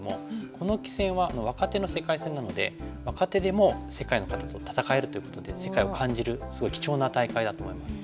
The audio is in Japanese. この棋戦は若手の世界戦なので若手でも世界の方と戦えるということで世界を感じるすごい貴重な大会だと思います。